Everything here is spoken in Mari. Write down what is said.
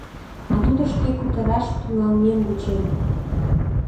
— А тудо шке кутыраш тӱҥалмем вучен...